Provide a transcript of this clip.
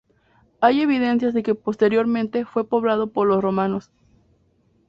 Hay evidencias de que posteriormente fue poblado por los romanos.